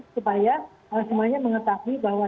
supaya semuanya mengetahui bahwa